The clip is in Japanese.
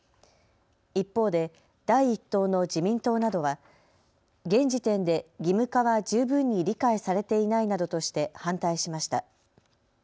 一方で第１党の自民党などは現時点で義務化は十分に理解されていないなどとして反対しました。